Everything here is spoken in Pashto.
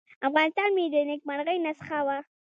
افغانستان مې د نیکمرغۍ نسخه وه.